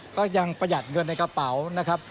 ก็ยังประหยัดเงินในกระเป๋านะครับ